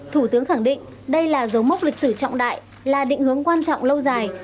thủ tướng khẳng định đây là dấu mốc lịch sử trọng đại là định hướng quan trọng lâu dài